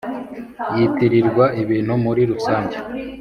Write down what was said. yitirirwa ibintu muri rusange